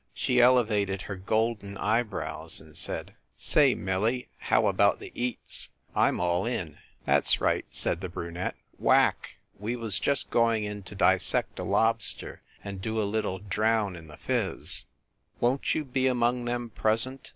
She elevated her golden eyebrows and said, "Say, Millie, how about the eats ? I m all in !" "That s right," said the brunette. "Whack, we was just going in to dissect a lobster and do a little drown in the fizz. Won t you be among them pres ent?"